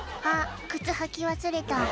「あっ靴履き忘れた」